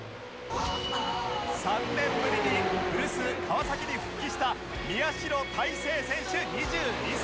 ３年ぶりに古巣川崎に復帰した宮代大聖選手２２歳